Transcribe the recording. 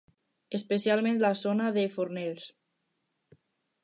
Especialment la zona de Fornells.